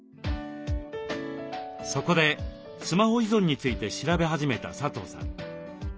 そこでスマホ依存について調べ始めた佐藤さん